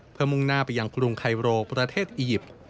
เพื่อมุ่งหน้าไปยังกรุงไคโรประเทศอียิปต์